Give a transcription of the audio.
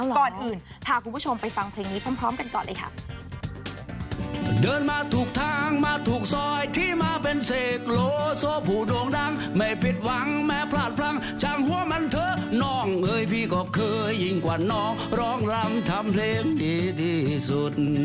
ก่อนอื่นพาคุณผู้ชมไปฟังเพลงนี้พร้อมกันก่อนเลยค่ะ